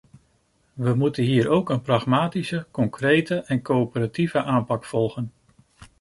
We moeten hier ook een pragmatische, concrete en coöperatieve aanpak volgen.